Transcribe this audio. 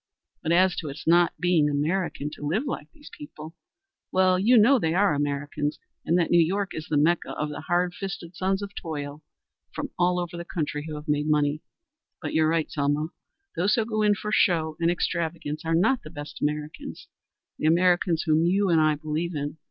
But as to its not being American to live like these people well you know they are Americans and that New York is the Mecca of the hard fisted sons of toil from all over the country who have made money. But you're right, Selma. Those who go in for show and extravagance are not the best Americans the Americans whom you and I believe in.